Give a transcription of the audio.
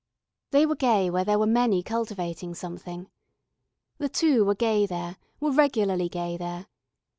They were gay where there were many cultivating something. The two were gay there, were regularly gay there.